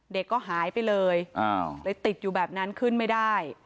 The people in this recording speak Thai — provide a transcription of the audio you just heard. เด็กก็หายไปเลยเลยติดอยู่แบบนั้นขึ้นไม่ได้